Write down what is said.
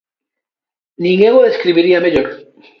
Nin eu o describiría mellor.